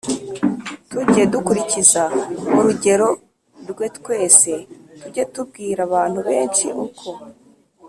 tujye dukurikiza urugero rwe Twese tujye tubwira abantu benshi uko